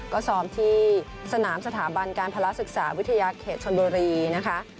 ก็ซ้อมที่สนามสถาบันการภาระศึกษาวิทยาเขตชนบุรีนะคะ